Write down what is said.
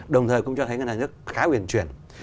đồng thời cũng cho thấy ngân hàng nhà nước khá huyền chuyển